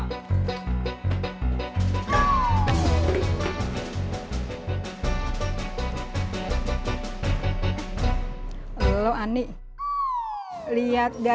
uh duh maghmet ya aja